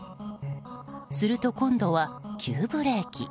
すると、今度は急ブレーキ。